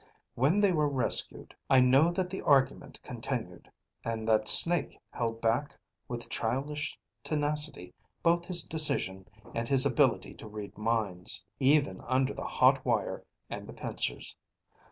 When they were rescued, I know that the argument continued, and that Snake held back with childish tenacity both his decision and his ability to read minds, even under the hot wire and the pincers.